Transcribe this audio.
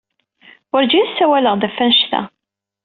Werjin ssawleɣ-d ɣef wanect-a.